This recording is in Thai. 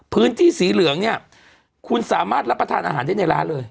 พื้นที่สีเหลืองเนี่ยคุณสามารถรับประทานอาหารได้ในร้านเลย